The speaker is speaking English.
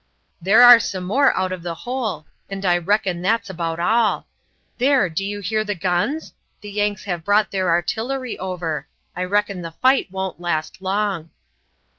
"There are some more out of the hole, and I reckon that's about all. There, do you hear the guns? The Yanks have brought their artillery over I reckon the fight won't last long."